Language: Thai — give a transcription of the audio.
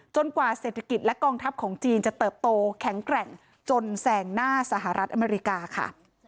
กว่าเศรษฐกิจและกองทัพของจีนจะเติบโตแข็งแกร่งจนแสงหน้าสหรัฐอเมริกาค่ะ